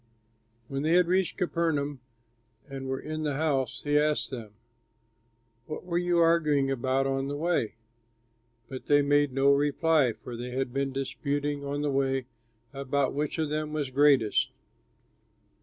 When they had reached Capernaum and were in the house, he asked them, "What were you arguing about on the way?" But they made no reply, for they had been disputing on the way about which of them was greatest.